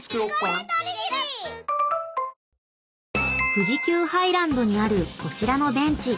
［富士急ハイランドにあるこちらのベンチ］